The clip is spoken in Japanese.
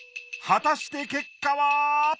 果たして結果は！？